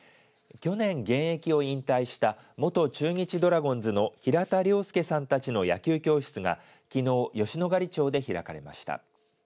去年、現役を引退した元中日ドラゴンズの平田良介さんたちの野球教室がきのう吉野ヶ里町で開かれました。